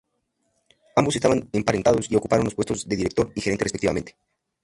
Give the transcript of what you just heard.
Ambos estaban emparentados y ocuparon los puestos de Director y Gerente respectivamente.